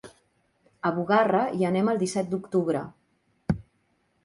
A Bugarra hi anem el disset d'octubre.